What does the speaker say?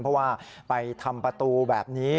เพราะว่าไปทำประตูแบบนี้